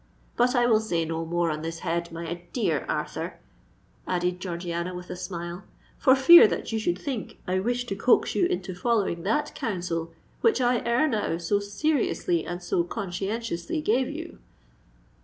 But I will say no more on this head, my dear Arthur," added Georgiana, with a smile, "for fear that you should think I wish to coax you into following that counsel which I, ere now, so seriously and so conscientiously gave you."